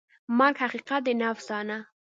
مرګ حقیقت دی، نه افسانه.